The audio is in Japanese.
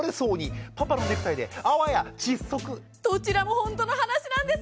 どちらもほんとの話なんです。